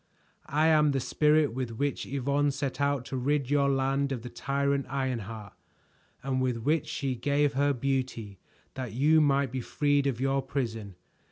"I am the Spirit with which Yvonne set out to rid your land of the tyrant Ironheart, and with which she gave her beauty that you might be freed of your prison.